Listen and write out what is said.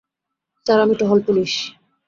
Sir আমি টহল police.